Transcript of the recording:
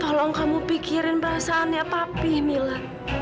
tolong kamu pikirin perasaannya tapi mila